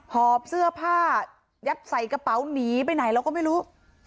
หอบเสื้อผ้ายัดใส่กระเป๋าหนีไปไหนเราก็ไม่รู้